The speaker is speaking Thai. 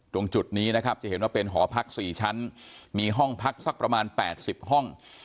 ตรงจุดนี้นะครับจะเห็นว่าเป็นหอพัก๔ชั้นมีห้องพักสักประมาณ๘๐ห้อง